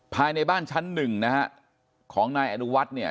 ภายในบ้านชั้นหนึ่งนะฮะของนายอนุวัฒน์เนี่ย